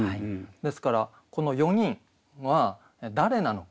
ですからこの４人は誰なのか？